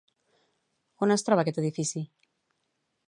On es troba aquest edifici?